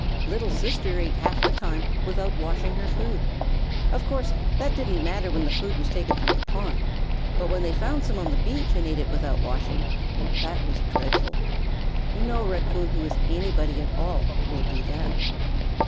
Little Sister ate half the time without washing her food. Of course that didn't matter when the food was taken from the pond, but when they found some on the beach and ate it without washing that was dreadful. No Raccoon who is anybody at all will do that.